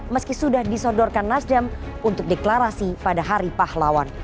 meski sudah disodorkan nasdem untuk deklarasi pada hari pahlawan